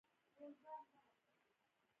آیا د کاناډا پیسفیک ریل لار مشهوره نه ده؟